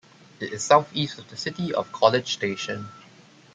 It is southeast of the city of College Station.